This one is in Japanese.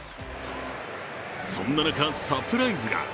そんな中、サプライズが。